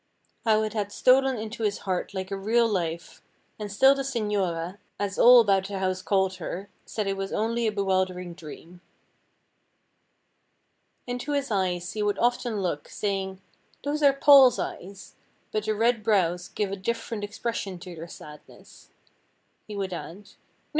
How it had stolen into his heart like a real life, and still the señora, as all about the house called her, said it was only a bewildering dream. Into his eyes he would often look, saying, "Those are Paul's eyes, but the red brows give a different expression to their sadness," he would add, "No!